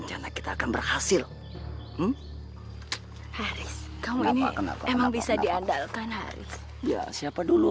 cepat kejar haris wahyu